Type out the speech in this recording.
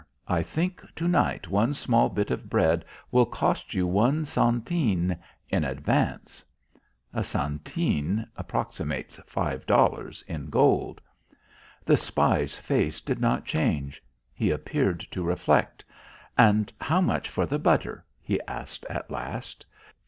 I think to night one small bit of bread will cost you one centene in advance." A centene approximates five dollars in gold. The spy's face did not change. He appeared to reflect. "And how much for the butter?" he asked at last.